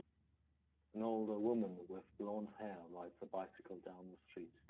An older woman with blondhair rides a bicycle down the street.